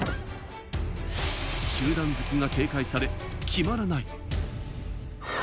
中段突きが警戒され決まらない。